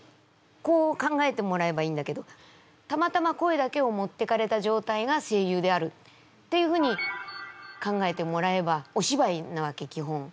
こう考えてもらえばいいんだけどたまたま声だけを持っていかれた状態が声優であるっていうふうに考えてもらえばお芝居なわけ基本。